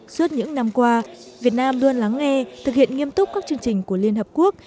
suốt những năm qua việt nam luôn lắng nghe thực hiện nghiêm túc các chương trình của liên hợp quốc